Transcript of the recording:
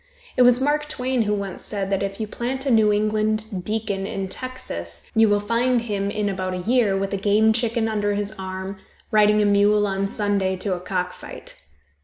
It was Mark Twain who once said that if you plant a New England deacon in Texas, you will find him in about a year with a game chicken under his arm, riding a mule on Sunday to a cock fight.